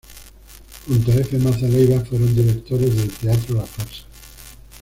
Junto a F. Mazza Leiva fueron directores del "Teatro La Farsa".